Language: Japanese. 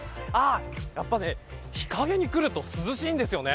やっぱり日陰に来ると涼しいんですよね。